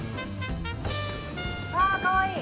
あかわいい。